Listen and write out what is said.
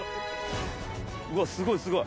うわすごいすごい。